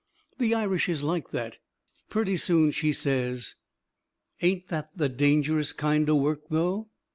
The Irish is like that. Purty soon she says: "Ain't that the dangerous kind o' work, though!"